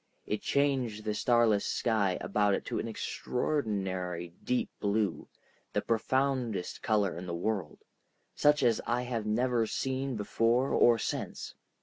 It changed the starless sky about it to an extraordinary deep blue, the profoundest color in the world, such as I have never seen before or since.